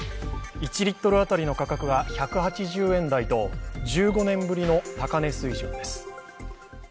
１リットル当たりの価格が１８０円台と１５年ぶりの高値水準です。